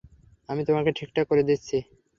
আমি তোমাকে ঠিকঠাক করে দিচ্ছি।